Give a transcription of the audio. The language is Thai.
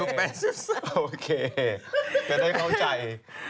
โอเคเดี๋ยวได้เข้าใจ